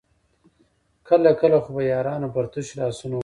کله کله خو به يارانو پر تشو لاسونو ونيول.